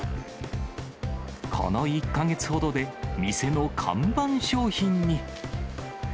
この１か月ほどで、店の看板商品に。